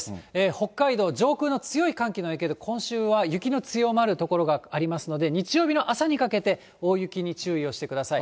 北海道、上空の強い寒気の影響で今週は雪の強まる所がありますので、日曜日の朝にかけて、大雪に注意をしてください。